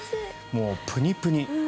もうプニプニ。